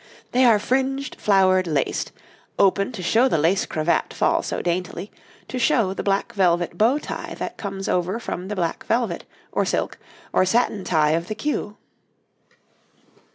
They are fringed, flowered, laced, open to show the lace cravat fall so daintily, to show the black velvet bow tie that comes over from the black velvet, or silk, or satin tie of the queue.